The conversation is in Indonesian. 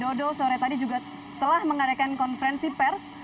jokowi dodo sore tadi juga telah mengadakan konferensi pers